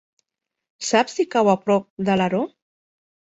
Saps si cau a prop d'Alaró?